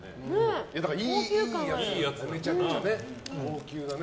いいやつ、めちゃくちゃ高級な。